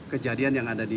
kejadian yang ada di